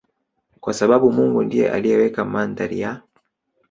kwa sababu Mungu ndiye aliyeweka mandhari ya